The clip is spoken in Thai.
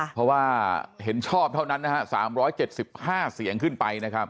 เพราะว่าเห็นชอบเท่านั้นนะฮะ๓๗๕เสียงขึ้นไปนะครับ